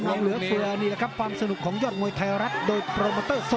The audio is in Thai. ยังเก็บอาการอยู่